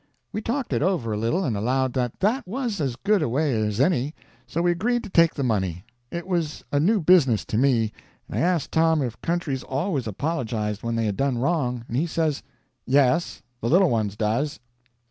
We talked it over a little and allowed that that was as good a way as any, so we agreed to take the money. It was a new business to me, and I asked Tom if countries always apologized when they had done wrong, and he says: "Yes; the little ones does."